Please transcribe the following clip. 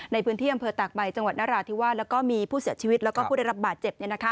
ในพื้นที่อำเภอตากใบจังหวัดนราธิวาสแล้วก็มีผู้เสียชีวิตแล้วก็ผู้ได้รับบาดเจ็บ